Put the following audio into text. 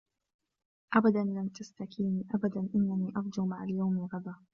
أبدًا لنْ تَسْتَكِينى أبدا إنَّنى أَرْجُو مع اليومِ غَدَا